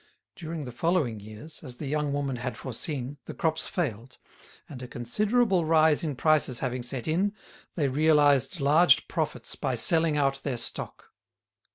During the following years, as the young woman had foreseen, the crops failed, and a considerable rise in prices having set in, they realised large profits by selling out their stock.